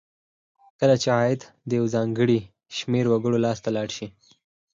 کله چې عاید یو ځانګړي شمیر وګړو لاس ته لاړ شي.